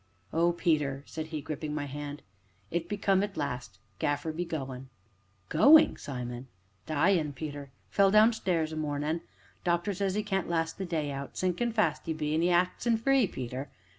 "Oh, Peter!" said he, gripping my hand, "it be come at last Gaffer be goin'." "Going, Simon?" "Dyin', Peter. Fell downstairs 's marnin'. Doctor says 'e can't last the day out sinkin' fast, 'e be, an' 'e be axin' for 'ee, Peter.